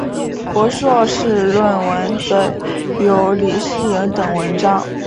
博硕士论文则有李诗莹等文章。